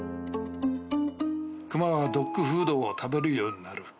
「熊はドッグフードを食べるようになる」